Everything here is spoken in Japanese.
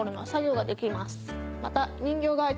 また。